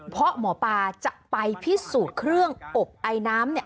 เพราะหมอปลาจะไปพิสูจน์เครื่องอบไอน้ำ